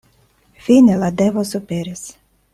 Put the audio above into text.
Fine la devo superis.